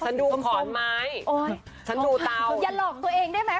ถ้าดูขรอนไม้โอ๊ยฉันดูเตายังลองตัวเองได้ไง